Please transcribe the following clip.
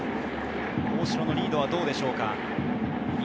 大城のリードはどうでしょうか。